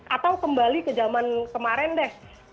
atau kembali ke zaman kemarin deh